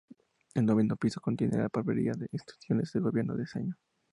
El noveno piso contiene papelería de instituciones de gobierno de ese año.